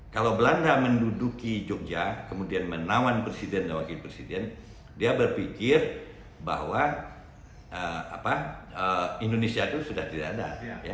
kalau belanda menduduki jogja kemudian menawan presiden dan wakil presiden dia berpikir bahwa indonesia itu sudah tidak ada